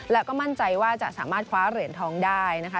แล้วก็มั่นใจว่าจะสามารถคว้าเหรียญทองได้นะคะ